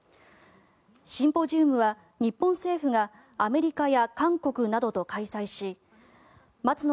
シンポジウムは日本政府がアメリカや韓国などと開催し松野